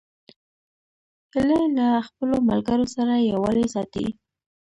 هیلۍ له خپلو ملګرو سره یووالی ساتي